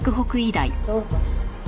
どうぞ。